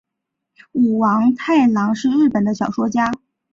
舞城王太郎是日本的小说家。